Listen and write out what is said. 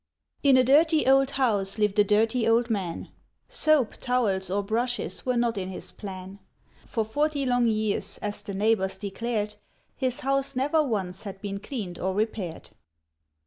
] In a dirty old house lived a Dirty Old Man; Soap, towels, or brushes were not in his plan. For forty long years, as the neighbors declared, His house never once had been cleaned or repaired.